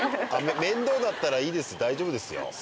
めんどうだったらいいです大丈夫ですよ。